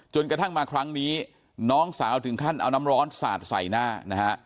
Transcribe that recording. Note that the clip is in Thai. กระทั่งมาครั้งนี้น้องสาวถึงขั้นเอาน้ำร้อนสาดใส่หน้านะฮะ